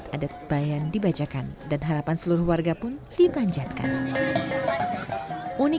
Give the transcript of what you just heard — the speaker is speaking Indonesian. di sana doa doa maulid adat bayan dibajakan dan harapan seluruh warga pun dibanjatkan